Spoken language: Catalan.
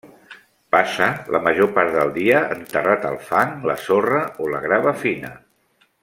Passa la major part del dia enterrat al fang, la sorra o la grava fina.